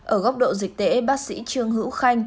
ở góc độ dịch tễ bác sĩ trương hữu khanh